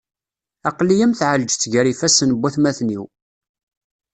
Aql-i am tɛelǧet gar yifassen n watmaten-iw.